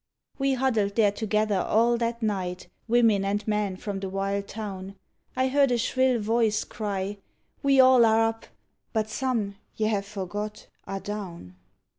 We huddled there together all that night, Women and men from the wild Town; I heard a shrill voice cry, "We all are up, But some ye have forgot are down!"